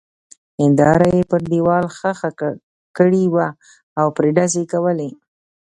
هېنداره يې پر دېوال ښخه کړې وه او پرې ډزې کولې.